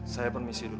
saya permisi dulu